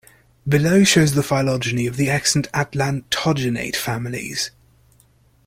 Below shows the phylogeny of the extant atlantogenate families.